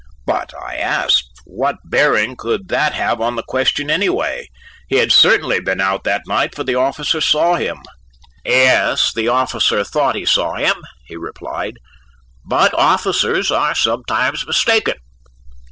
"But," I asked, "what bearing could that have on the question any way? He had certainly been out that night, for the officer saw him." "Yes, the officer thought he saw him," he replied, "but officers are sometimes mistaken."